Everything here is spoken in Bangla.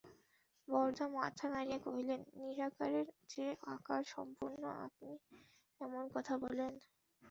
বরদা মাথা নাড়িয়া কহিলেন, নিরাকারের চেয়ে আকার সম্পূর্ণ আপনি এমন কথা বলেন?